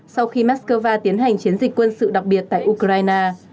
sau khi moscow tiến hành chiến dịch quân sự đặc biệt tại ukraine